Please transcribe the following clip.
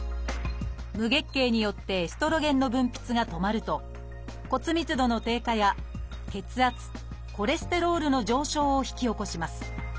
無月経によってエストロゲンの分泌が止まると骨密度の低下や血圧・コレステロールの上昇を引き起こします。